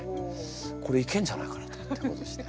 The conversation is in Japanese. これいけんじゃないかなってことでしてね。